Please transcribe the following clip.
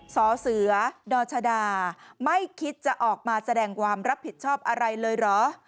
สอเสือดรชดาไม่คิดจะออกมาแสดงความรับผิดชอบอะไรเลยเหรอ